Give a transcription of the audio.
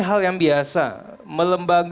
hal yang biasa